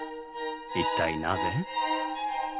一体なぜ？